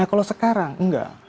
nah kalau sekarang enggak